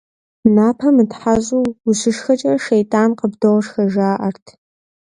Напэ мытхьэщӀу ущышхэкӏэ, щейтӀан къыбдошхэ, жаӀэрт.